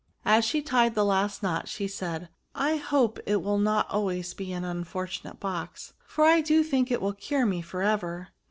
As she tied the last knot, she said, I hope it will not always be an unfortunate box ; for I do think it will cure me for ever."